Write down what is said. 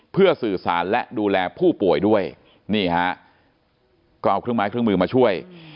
เพื่อสื่อสารและดูแลผู้ป่วยด้วยนี่ฮะก็เอาเครื่องไม้เครื่องมือมาช่วย